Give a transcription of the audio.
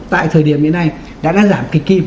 tại thời điểm hiện nay đã giảm kịch kịp